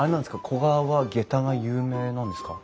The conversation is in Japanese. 古河はげたが有名なんですか？